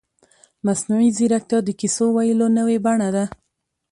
مصنوعي ځیرکتیا د کیسو ویلو نوې بڼه ده.